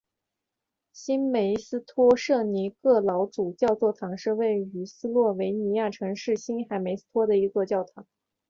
新梅斯托圣尼各老主教座堂是位于斯洛维尼亚城市新梅斯托的一座教堂。